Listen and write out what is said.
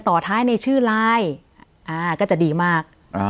ต่อท้ายในชื่อไลน์ก็จะดีมาก